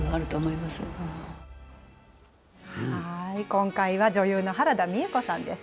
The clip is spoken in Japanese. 今回は女優の原田美枝子さんです。